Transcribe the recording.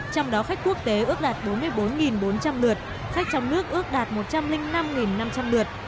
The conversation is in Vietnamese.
trong đó khách quốc tế ước đạt bốn mươi bốn bốn trăm linh lượt khách trong nước ước đạt một trăm linh năm năm trăm linh lượt